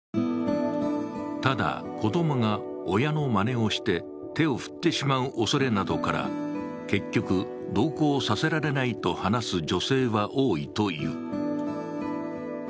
ただ子供が親のまねをして手を振ってしまうおそれなどから、結局、同行させられないと話す女性は多いという。